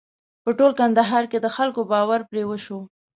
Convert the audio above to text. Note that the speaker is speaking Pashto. په ټول کندهار کې د خلکو باور پرې وشو.